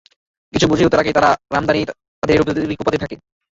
কিছু বুঝে ওঠার আগেই তারা রামদা দিয়ে তাঁদের এলোপাতাড়ি কোপাতে থাকে।